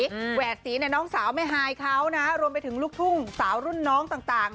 แหวดสีเนี่ยน้องสาวแม่ฮายเขานะรวมไปถึงลูกทุ่งสาวรุ่นน้องต่างต่าง